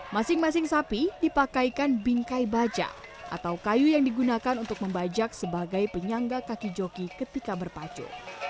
masing masing sapi dipakaikan bingkai baja atau kayu yang digunakan untuk membajak sebagai penyangga kaki joki ketika berpacu